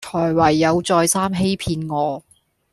才唯有再三欺騙我